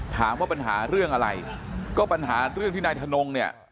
ถามว่าปัญหาเรื่องอะไรก็ปัญหาเรื่องที่นายทนงเนี่ย